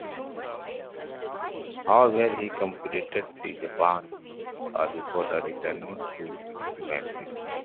However he completed the Japan tour before returning to Memphis.